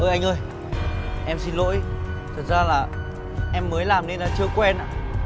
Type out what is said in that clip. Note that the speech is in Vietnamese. ơ anh ơi em xin lỗi thật ra là em mới làm nên là chưa quen ạ